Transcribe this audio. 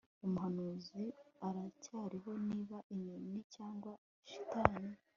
umuhanuzi aracyariho, niba inyoni cyangwa shitani